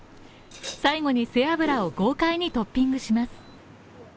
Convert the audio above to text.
最後に背脂を豪快にトッピングします。